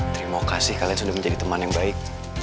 terima kasih kalian sudah menjadi teman yang baik